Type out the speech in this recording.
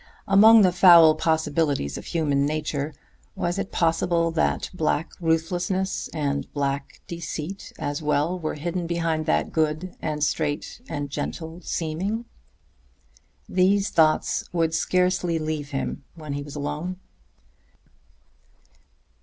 Among the foul possibilities of human nature, was it possible that black ruthlessness and black deceit as well were hidden behind that good and straight and gentle seeming? These thoughts would scarcely leave him when he was alone.